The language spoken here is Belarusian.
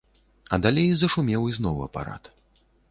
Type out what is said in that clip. А далей зашумеў ізноў апарат.